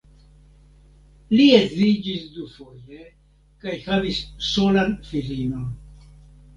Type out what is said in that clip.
Li edziĝis dufoje kaj havis solan filinon.